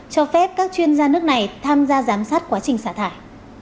cho phép các chuyên gia nước này tham gia giám sát quá trình xả thải